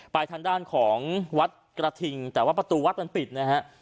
ทางด้านของวัดกระทิงแต่ว่าประตูวัดมันปิดนะฮะ